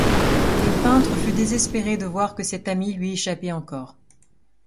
Le peintre fut désespéré de voir que cet ami lui échappait encore.